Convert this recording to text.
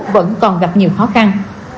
vẫn còn gặp nhiều khó khăn